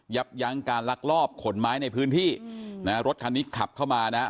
ยั้งการลักลอบขนไม้ในพื้นที่นะฮะรถคันนี้ขับเข้ามานะฮะ